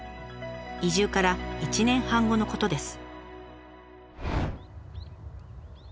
移住から１年半後のことです。